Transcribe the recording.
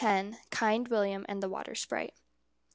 KIND WILLIAM AND THE WATER SPRITE.